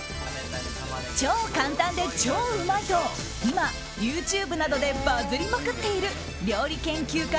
超簡単で超うまいと今、ＹｏｕＴｕｂｅなどでバズりまくっている料理研究家